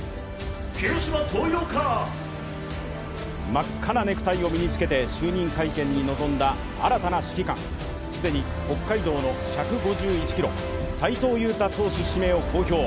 真っ赤なネクタイを身につけて、就任会見に臨んだ新たな指揮官、既に北海道の１５１キロ、斉藤優汰投手指名を公表